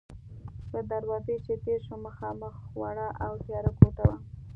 له دروازې چې تېر شوم، مخامخ وړه او تیاره کوټه وه.